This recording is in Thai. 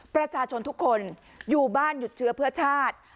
ประชาชนทุกคนอยู่บ้านหยุดเชื้อเพื่อชาติ